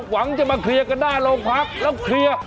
หวังจะมาเคลียร์กันหน้าโรงพักแล้วเคลียร์